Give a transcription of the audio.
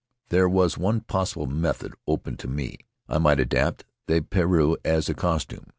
There was one possible method open to me; I might adopt the pareu as a costume.